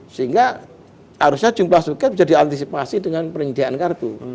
sehingga harusnya jumlah suket bisa diantisipasi dengan peringgian kartu